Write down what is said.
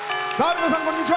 皆さん、こんにちは。